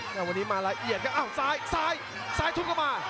แล้ววันนี้มาละเอียดกับอ้าวซ้ายซ้ายซ้ายทุนกลับมา